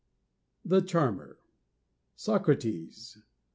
THE CHARMER "_Socrates.